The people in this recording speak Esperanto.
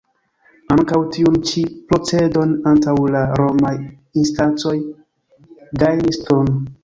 Ankaŭ tiun ĉi procedon antaŭ la romaj instancoj gajnis Thun.